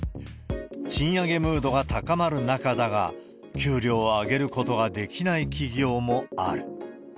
賃上げムードが高まる中だが、給料を上げることをできない企業もある。